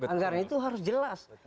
anggaran itu harus jelas